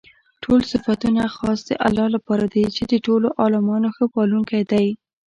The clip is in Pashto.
ټول صفتونه خاص د الله لپاره دي چې د ټولو عالَمونو ښه پالونكى دی.